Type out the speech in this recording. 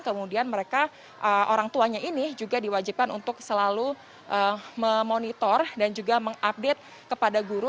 kemudian mereka orang tuanya ini juga diwajibkan untuk selalu memonitor dan juga mengupdate kepada guru